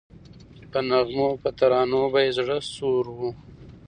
په نغمو په ترانو به یې زړه سوړ وو